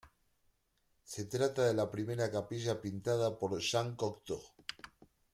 Se trata de la primera capilla pintada por Jean Cocteau.